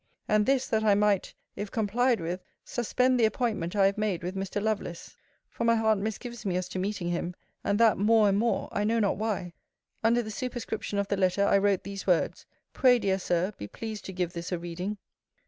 And this, that I might, if complied with, suspend the appointment I have made with Mr. Lovelace; for my heart misgives me as to meeting him; and that more and more; I know not why. Under the superscription of the letter, I wrote these words: 'Pray, dear Sir, be pleased to give this a reading.'